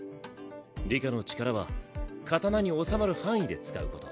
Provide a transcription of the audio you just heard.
里香の力は刀に納まる範囲で使うこと。